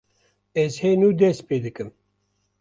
Ez hê nû dest pê dikim.